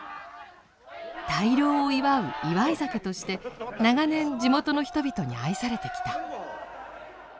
大漁を祝う祝い酒として長年地元の人々に愛されてきた。